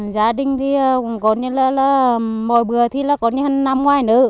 gia đình thì cũng có như là mỗi bữa thì là có như hẳn năm ngoài nữa